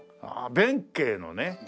弁慶のね。